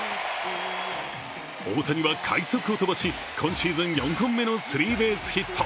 大谷は快足を飛ばし今シーズン４本目のスリーベースヒット。